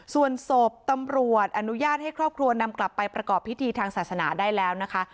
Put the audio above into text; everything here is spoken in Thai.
ส่วนศพตำรวจอนุญาตให้ครอบครัวนำกลับไปประกอบพิธีทางศาสนาได้แล้วนะคะ